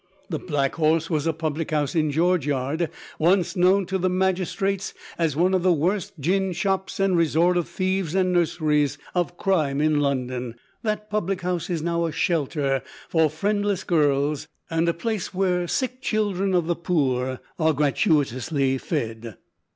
The `Black Horse' was a public house in George Yard, once known to the magistrates as one of the worst gin shops and resort of thieves and nurseries of crime in London. That public house is now a shelter for friendless girls, and a place where sick children of the poor are gratuitously fed."